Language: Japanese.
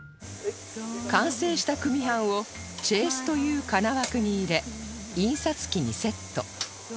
完成した組版をチェースという金枠に入れ印刷機にセット